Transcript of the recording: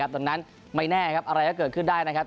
ดังนั้นไม่แน่ครับอะไรก็เกิดขึ้นได้นะครับ